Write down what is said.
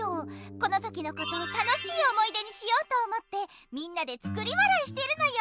この時のことを楽しい思い出にしようと思ってみんなで作り笑いしてるのよ。